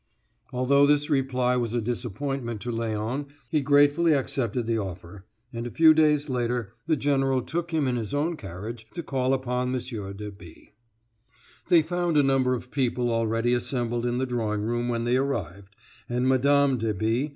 Although this reply was a disappointment to Léon, he gratefully accepted the offer, and a few days later the general took him in his own carriage to call upon M. de B. They found a number of people already assembled in the drawing room when they arrived, and Mme. de B.